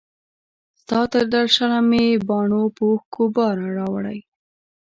ستا تر درشله مي باڼو په اوښکو بار راوړی